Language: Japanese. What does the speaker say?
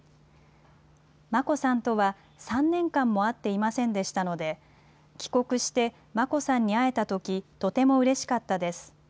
眞子さんとは、３年間も会っていませんでしたので、帰国して、眞子さんに会えたとき、とてもうれしかったです。